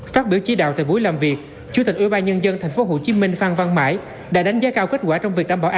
tặc biệt là trong thời gian dịch vừa rồi